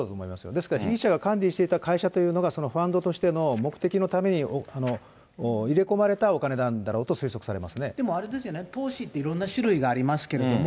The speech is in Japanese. ですから被疑者が管理していた会社というのが、そのファンドとしての目的のために入れ込まれたお金なんだろうとでもあれですよね、投資っていろんな種類がありますけれども、